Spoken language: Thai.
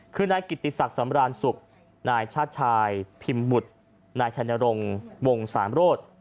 คือนายกิติศักดิ์สำรานสุขนายชาติชายพิมพ์บุตรนายชัยนรงวงสามโรธ